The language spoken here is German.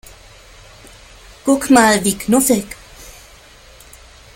Guck mal, wie knuffig!